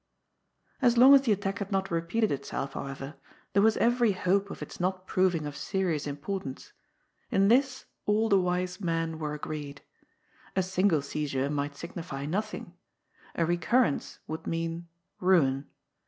As long as the attack had not repeated itself, however, there was every hope of its not proving of serious impor tance. In this all the wise men were agreed. A single seizure might signify nothing; a recurrence would mean ruin.